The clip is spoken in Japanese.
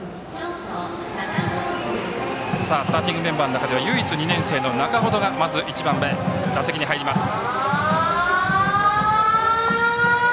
スターティングメンバーの中では唯一２年生の仲程がまず１番で打席に入ります。